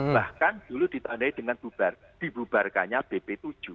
bahkan dulu ditandai dengan dibubarkannya bp tujuh